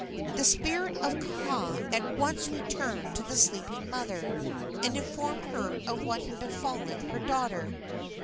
The spirit of Kaha at once returned to the sleeping mother and informed her of what had befallen her daughter.